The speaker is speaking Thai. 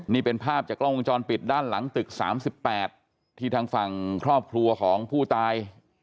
นี่เป็นภาพจากกล้องวงจรปิดด้านหลังตึก๓๘ที่ทางฝั่งครอบครัวของผู้ตาย